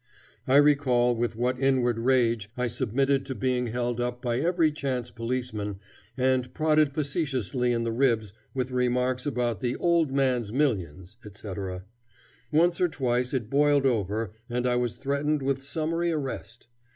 I recall with what inward rage I submitted to being held up by every chance policeman and prodded facetiously in the ribs with remarks about the "old man's millions," etc. Once or twice it boiled over and I was threatened with summary arrest.